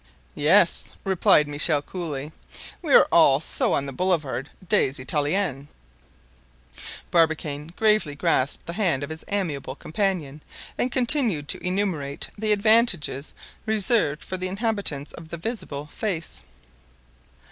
"Yes," replied Michel coolly, "we are all so on the Boulevard des Italiens." Barbicane gravely grasped the hand of his amiable companion, and continued to enumerate the advantages reserved for the inhabitants of the visible face.